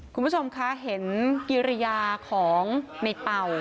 คุณผู้ชมคะเห็นปีศาสตร์ของไนเปา